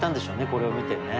これを見てね。